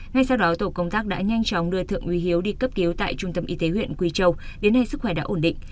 ngay sau đó tổ công tác đã nhanh chóng đưa thượng úy hiếu đi cấp cứu tại trung tâm y tế huyện quỳ châu đến nay sức khỏe đã ổn định